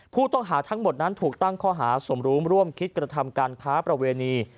ผู้ต้องหาทั้งหมดนั้นถูกตั้งข้อหาสมรู้ร่วมคิดกระทำการค้าประเวณี